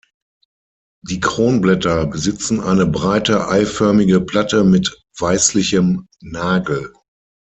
Die Kronblätter besitzen eine breite eiförmige Platte mit weißlichem Nagel.